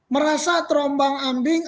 merasa terombang ambing